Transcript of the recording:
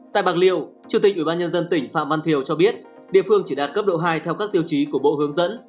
tại bạc liêu chủ tịch ủy ban nhân dân tỉnh phạm văn thiều cho biết địa phương chỉ đạt cấp độ hai theo các tiêu chí của bộ hướng dẫn